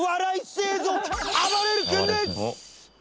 製造機あばれる君です！